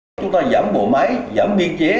chúng ta giảm bộ máy giảm biên chế